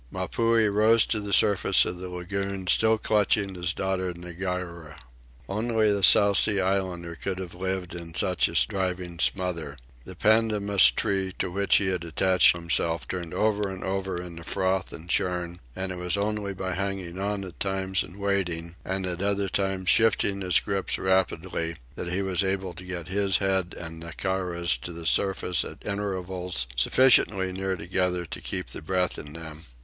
Mapuhi rose to the surface of the lagoon, still clutching his daughter Ngakura. Only a South Sea islander could have lived in such a driving smother. The pandanus tree, to which he attached himself, turned over and over in the froth and churn; and it was only by holding on at times and waiting, and at other times shifting his grips rapidly, that he was able to get his head and Ngakura's to the surface at intervals sufficiently near together to keep the breath in them.